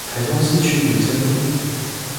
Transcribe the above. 台中市區民生路